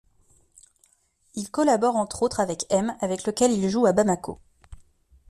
Ils collaborent entre autres avec -M-, avec lequel ils jouent à Bamako.